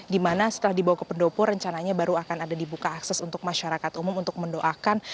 dimana setelah dibawa ke pendopo rencananya baru akan ada dibuka akses untuk masyarakat umum untuk mendoakan